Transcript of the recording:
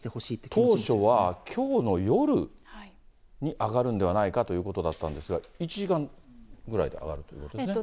当初はきょうの夜に揚がるんではないかということだったんですが、１時間ぐらいで揚がるっていうことですよね。